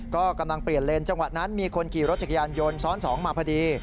ก็กำลังเปลี่ยนเลนจังหวะนั้นมีคนขี่รถจักรยานยนต์ซ้อนสองมาพอดี